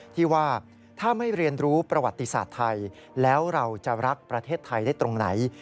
ที่ว่าถ้าไม่เรียนรู้ประวัติศาสตร์ไทยแล้วเราจะรักประเทศไทยได้ตรงไหน